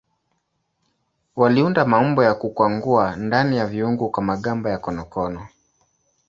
Waliunda maumbo na kukwangua ndani ya viungu kwa magamba ya konokono.